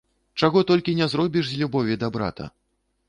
Чаго толькі не зробіш з любові да брата!